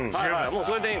もうそれでいい。